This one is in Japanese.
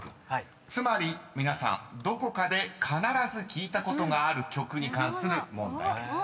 ［つまり皆さんどこかで必ず聴いたことがある曲に関する問題です］